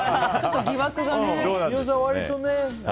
疑惑がね。